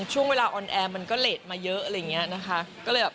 ช่วงเวลาออนแอร์มันก็เลสมาเยอะอะไรอย่างเงี้ยนะคะก็เลยแบบ